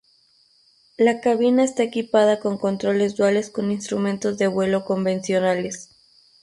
La cabina está equipada con controles duales con instrumentos de vuelo convencionales.